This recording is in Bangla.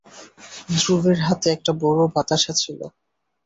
ধ্রুবের হাতে একটা বড়ো বাতাসা ছিল।